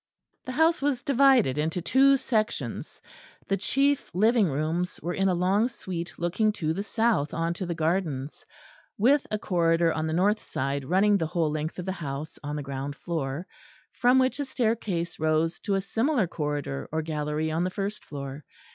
The house was divided into two sections; the chief living rooms were in a long suite looking to the south on to the gardens, with a corridor on the north side running the whole length of the house on the ground floor, from which a staircase rose to a similar corridor or gallery on the first floor.